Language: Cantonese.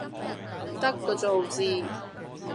得個做字